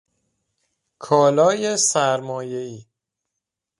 کالای سرمایه ای